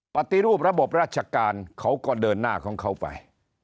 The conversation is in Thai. ปฏิรูประบบราชการเขาก็เดินหน้าของเขาไป